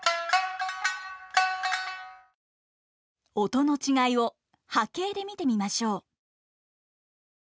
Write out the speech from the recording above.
音の違いを波形で見てみましょう。